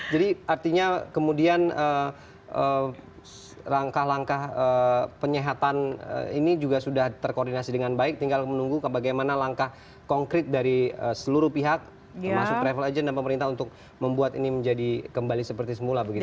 jadi artinya kemudian langkah langkah penyehatan ini juga sudah terkoordinasi dengan baik tinggal menunggu ke bagaimana langkah konkret dari seluruh pihak termasuk travel agent dan pemerintah untuk membuat ini menjadi kembali seperti semula begitu ya